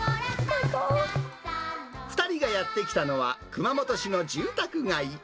２人がやって来たのは熊本市の住宅街。